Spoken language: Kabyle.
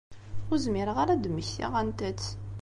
Ur zmireɣ ara ad d-mmektiɣ anta-tt.